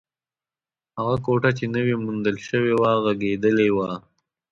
هغه کوټه چې نوې موندل شوې وه، غږېدلې وه.